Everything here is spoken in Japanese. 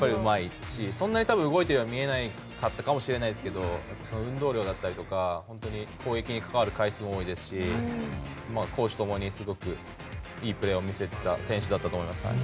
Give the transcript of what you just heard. そんなに動いてるようには見えなかったかもしれないですけど運動量だったりとか攻撃に関わる回数も多いですし攻守共にいいプレーを見せていた選手だと思います。